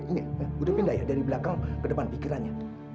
mama nih udah udah ini udah pindah ya dari belakang ke depan pikirannya